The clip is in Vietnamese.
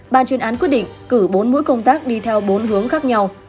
ban chuyên án quyết định cử bốn mũi công tác đi theo bốn hướng khác nhau